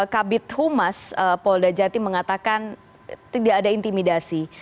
kabit humas polda jatim mengatakan tidak ada intimidasi